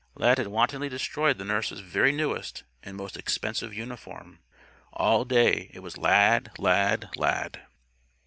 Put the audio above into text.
Lad had wantonly destroyed the nurse's very newest and most expensive uniform. All day it was Lad Lad Lad!